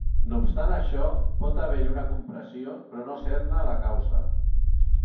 No obstant això, pot haver-hi una compressió però no ser-ne la causa.